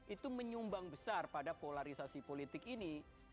itu menyumbang besar pada polarisasi politik ini